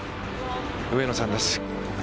上野さんです。